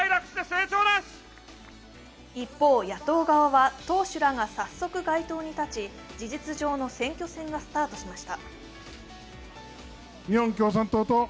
一方、野党側は党首らが早速街頭に立ち、事実上の選挙戦がスタートしました。